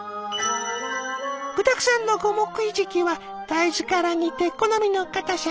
具だくさんの五目ひじきは大豆から煮て好みの硬さに。